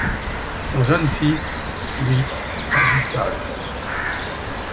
Son jeune fils, lui, a disparu.